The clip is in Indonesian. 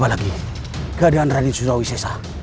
apalagi keadaan rani surawi sisa